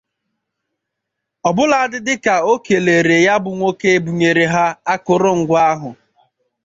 ọbụladị dịka o kelere ya bụ nwoke bunyere ha akụrụngwa ahụ